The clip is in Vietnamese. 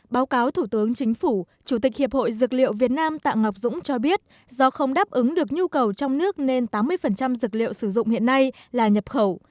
báo cáo thủ tướng chính phủ chủ tịch hiệp hội dược liệu việt nam tạ ngọc dũng cho biết do không đáp ứng được nhu cầu trong nước nên tám mươi dược liệu sử dụng hiện nay là nhập khẩu